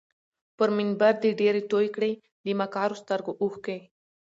پر منبر دي ډیري توی کړې له مکارو سترګو اوښکي